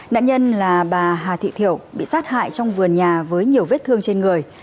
nạn nhân là bà hà thị thiểu bị sát hại trong vườn nhà với nhiều vết thương trên người